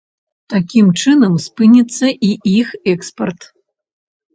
Такім чынам, спыніцца і іх экспарт.